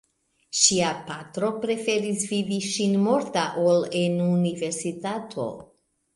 Ŝia patro preferis vidi ŝin morta ol en Universitato.